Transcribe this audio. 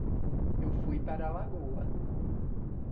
Eu fui para a lagoa.